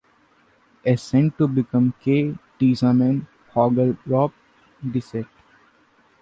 Assent to become K. Tesamen Hogerop Diest.